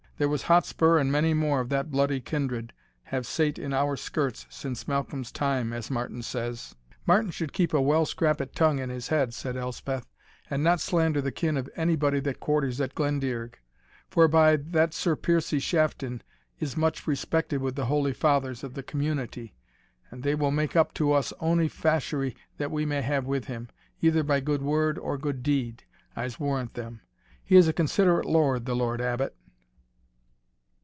There was Hotspur and many more of that bloody kindred, have sate in our skirts since Malcolm's time, as Martin says!" "Martin should keep a well scrapit tongue in his head," said Elspeth, "and not slander the kin of any body that quarters at Glendearg; forby, that Sir Piercie Shafton is much respected with the holy fathers of the community, and they will make up to us ony fasherie that we may have with him, either by good word or good deed, I'se warrant them. He is a considerate lord the Lord Abbot."